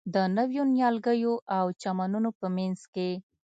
د نویو نیالګیو او چمنونو په منځ کې.